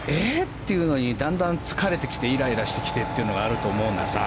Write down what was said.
っていうのにだんだん疲れてきてイライラしてきてというのがあると思うんですね。